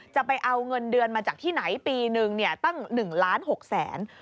จะเอาเงินเดือนมาจากที่ไหนปีนึงตั้ง๑ล้าน๖แสน